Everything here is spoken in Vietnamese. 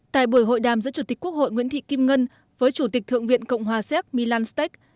tại buổi hội đàm giữa chủ tịch quốc hội nguyễn thị kim ngân với chủ tịch thượng viện cộng hòa xác milanstech